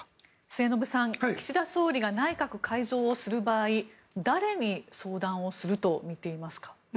末延さん岸田総理が内閣改造をする場合誰に相談をするとみていますか。